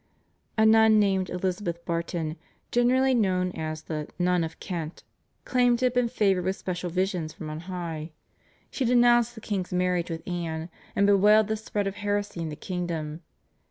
A nun named Elizabeth Barton, generally known as the "Nun of Kent," claimed to have been favoured with special visions from on high. She denounced the king's marriage with Anne, and bewailed the spread of heresy in the kingdom.